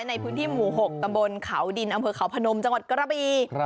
ในพื้นที่หมู่๖ตำบลเขาดินอำเภอเขาพนมจังหวัดกระบี